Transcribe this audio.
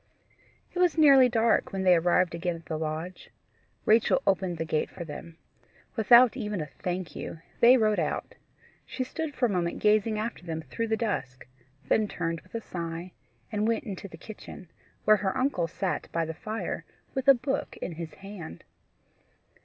It was nearly dark when they arrived again at the lodge. Rachel opened the gate for them. Without even a THANK YOU, they rode out. She stood for a moment gazing after them through the dusk, then turned with a sigh, and went into the kitchen, where her uncle sat by the fire with a book in his hand.